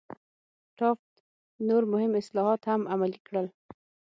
ټافت نور مهم اصلاحات هم عملي کړل.